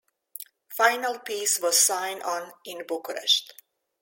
Final peace was signed on in Bucharest.